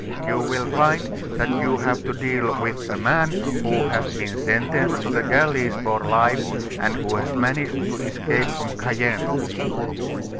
You will find that you have to deal with a man who has been sentenced to the galleys for life, and who has managed to escape from Cayenne."